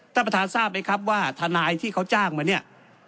ท่านประธานทราบไหมครับว่าทนายที่เขาจ้างมาเนี่ย